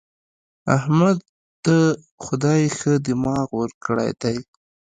احمد ته خدای ښه دماغ ورکړی دی.